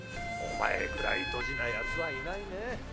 お前ぐらいドジなやつはいないねえ。